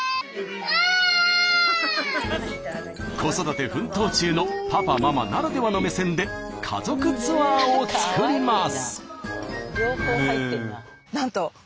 子育て奮闘中のパパママならではの目線で家族ツアーを作ります。